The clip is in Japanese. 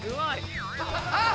あっ！